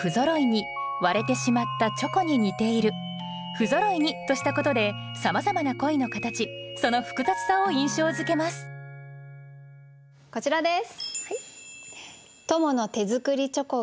「ふぞろいに」としたことでさまざまな恋の形その複雑さを印象づけますこちらです。